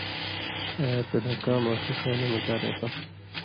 آیات الاحکام آں ݜُو شاناں متعلقہ